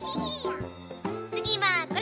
つぎはこれ！